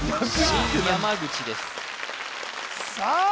新山口ですさあ